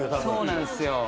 そうなんすよ。